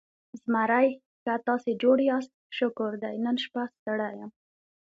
زمری: ښه، تاسې جوړ یاست؟ شکر دی، نن شپه ستړی یم.